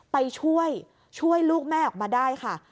ไปช่วยช่วยลูกแม่ออกมาได้ค่ะ